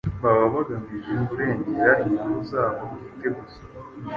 baba bagamije kurengera inyungu zabo bwite gusa.